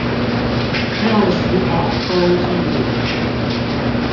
六十款工具